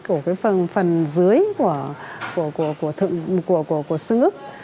của phần dưới của xương ức